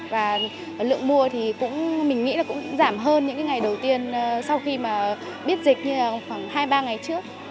và lượng mua thì mình nghĩ là cũng giảm hơn những cái ngày đầu tiên sau khi mà biết dịch như là khoảng hai ba ngày trước